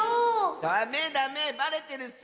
ダメダメバレてるッス！